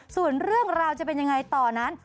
ส่วนเรื่องราวจะเป็นยังไงต่อนั้น